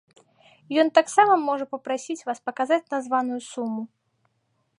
Ён таксама можа папрасіць вас паказаць названую суму.